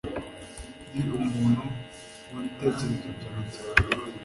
Ndi umuntu wibitekerezo byanjye